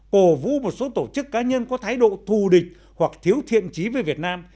cổ vũ một số tổ chức cá nhân có thái độ thù địch hoặc thiếu thiện trí với việt nam